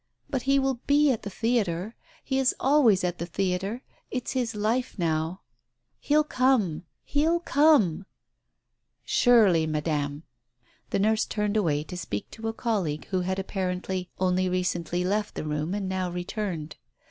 "But he will be at the theatre. He is always at the theatre. It's his life now. He'll come ... he'll come !" "Surely, Madam " The nurse turned away to speak to a colleague who had apparently only recently left the room and now returned.